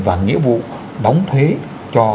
và nghĩa vụ đóng thuế cho